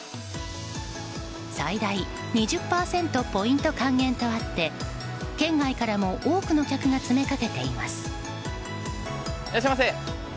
最大２０％ポイント還元とあって県外からも多くの客が詰めかけています。